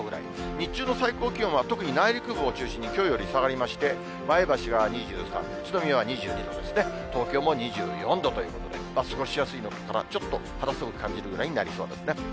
日中の最高気温が特に内陸部を中心に、きょうより下がりまして、前橋が２３度、宇都宮は２２度ですね、東京も２４度ということで、過ごしやすい気温からちょっと肌寒く感じるくらいになりそうですね。